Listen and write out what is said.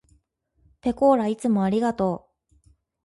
ぺこーらいつもありがとう。